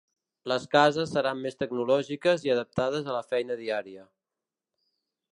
Les cases seran més tecnològiques i adaptades a la feina diària.